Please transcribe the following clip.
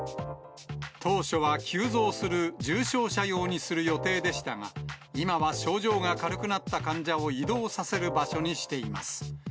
当初は急増する重症者用にする予定でしたが、今は症状が軽くなった患者を移動させる場所にしています。